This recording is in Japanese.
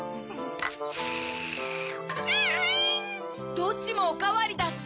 「どっちもおかわり」だって。